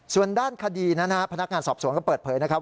ส่วนด้านคดีนะฮะพนักงานสอบสวนก็เปิดเผยนะครับ